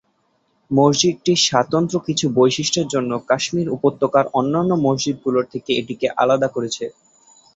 মসজিদটির স্বাতন্ত্র্য কিছু বৈশিষ্ট্যের জন্য কাশ্মীর উপত্যকার অন্যান্য মসজিদগুলোর থেকে এটিকে আলাদা করেছে।